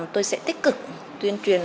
tôi sẽ tích cực tuyên truyền